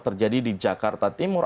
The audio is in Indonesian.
terjadi di jakarta timur